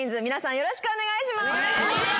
よろしくお願いします。